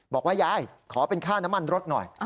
บอกว่ายายขอเป็นค่าน้ำมันรถหน่อย